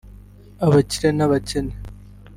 abakire n'abakene